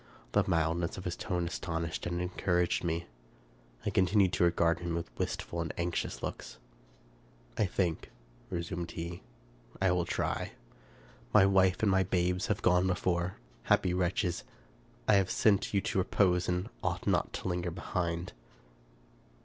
The mildness of his tone aston ished and encouraged me. I continued to regard him with wistful and anxious looks. " I think," resumed he, " I will try. My wife and my babes have gone before. Happy wretches! I have sent you to repose, and ought not to linger behind."